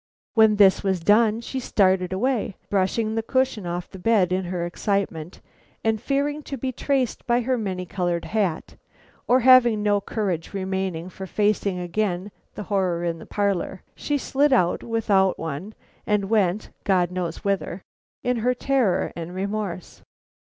When this was done she started away, brushing the cushion off the bed in her excitement, and fearing to be traced by her many colored hat, or having no courage remaining for facing again the horror in the parlor, she slid out without one and went, God knows whither, in her terror and remorse.